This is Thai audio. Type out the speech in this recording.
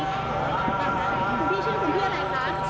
ตอนนี้เป็นครั้งหนึ่งครั้งหนึ่ง